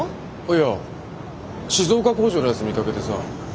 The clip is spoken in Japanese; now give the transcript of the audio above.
いや静岡工場のやつ見かけてさ。